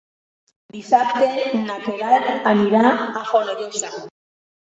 Dissabte na Queralt anirà a Fonollosa.